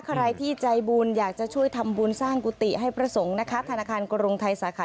ใครที่ใจบุญอยากจะช่วยทำบุญสร้างกุฏิให้พระสงค์นะคะ